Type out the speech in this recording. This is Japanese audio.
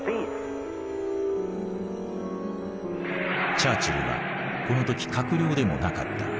チャーチルはこの時閣僚でもなかった。